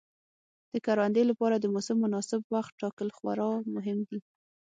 د کروندې لپاره د موسم مناسب وخت ټاکل خورا مهم دي.